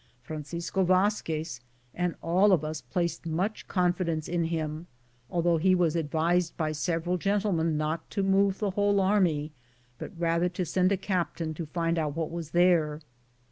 Fran cisco Vazquez and all of us placed much confidence in him, although he was advised by several gentlemen not to move the whole army, but rather to send a captain to find out what was there.